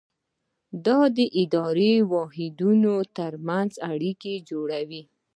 دا د اداري واحدونو ترمنځ اړیکې جوړوي.